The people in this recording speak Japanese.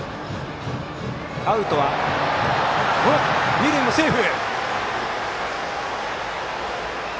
二塁セーフ！